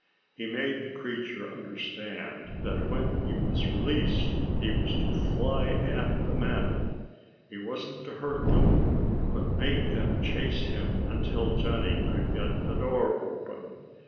He made the creature understand that when he was released, he was to fly at the men. He wasn't to hurt them, but make them chase him until Johnny could get the door open.